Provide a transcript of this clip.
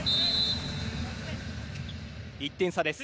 １点差です。